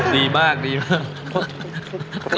อ๋อดีมาก